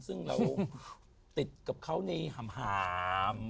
ซึ่งเราติดกับเขาในหาม